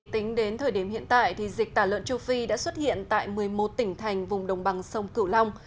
tính đến thời điểm hiện tại thì dịch tả lợn châu phi đã xuất hiện tại một mươi một tỉnh thành vùng đồng bằng sông cửu long